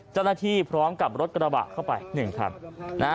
พร้อมกับรถกระบะเข้าไป๑คัน